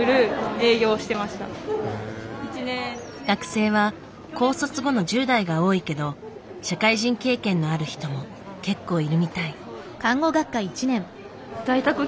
学生は高卒後の１０代が多いけど社会人経験のある人も結構いるみたい。